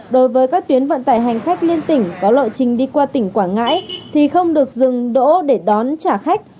đối với các tuyến vận tải hành khách liên tỉnh có lộ trình đi qua tỉnh quảng ngãi thì không được dừng đỗ để đón trả khách